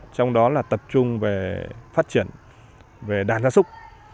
trong đó là tập trung về phát triển về đàn gia súc